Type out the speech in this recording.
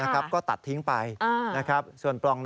กันโรยตัว